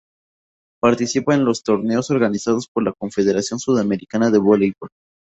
Participa en los torneos organizados por la Confederación Sudamericana de Voleibol.